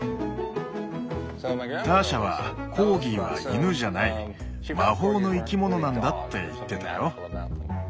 ターシャはコーギーは犬じゃない魔法の生き物なんだって言ってたよ。